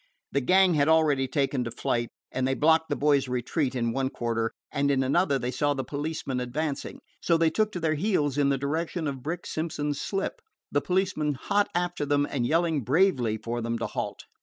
The gang had already taken to flight, and they blocked the boys' retreat in one quarter, and in another they saw the policemen advancing. So they took to their heels in the direction of Brick Simpson's slip, the policemen hot after them and yelling bravely for them to halt.